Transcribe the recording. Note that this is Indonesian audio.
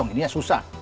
ini ya susah